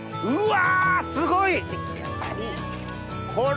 うわすごい。